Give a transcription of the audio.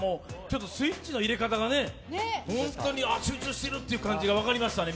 スイッチの入れ方がね、本当に集中してるって感じが見てても分かりましたね。